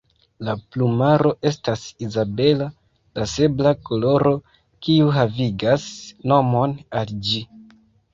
La plumaro estas izabela, la sabla koloro kiu havigas nomon al ĝi.